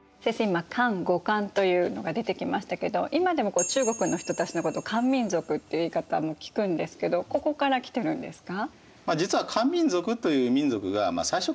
今「漢」「後漢」というのが出てきましたけど今でも中国の人たちのことを漢民族って言い方も聞くんですけどここから来てるんですか？